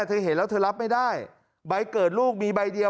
เธอเห็นแล้วเธอรับไม่ได้ใบเกิดลูกมีใบเดียว